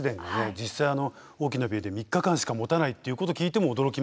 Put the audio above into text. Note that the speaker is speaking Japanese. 実際あの大きな病院で３日間しかもたないっていうこと聞いても驚きましたけどね。